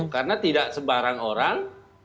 karena tidak sebarang orang